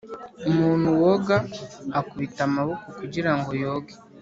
umuntu woga akubita amaboko kugira ngo yoge